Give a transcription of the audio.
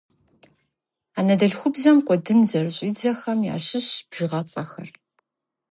Анэдэлъхубзэм кӏуэдын зэрыщӏидзэхэм ящыщщ бжыгъэцӏэхэр.